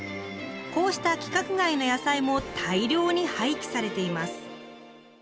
こうした規格外の野菜も大量に廃棄されています。